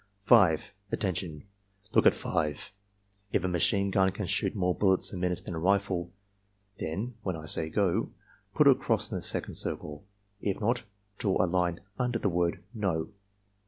5. "Attention! Look at 5. If a machine gun can shoot more bullets a minute than a rifle, then (when I say 'go') put a cross in the second circle; if not, draw a line under the word NO.